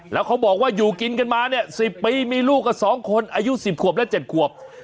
แล้วเขาบอกว่าอยู่กินกันมาเนี่ย๑๐ปีมีลูกกับ๒คนอายุ๑๐ขวบและ๗ขวบ